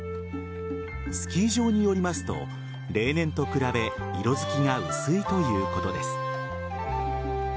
スキー場によりますと例年と比べ色づきが薄いということです。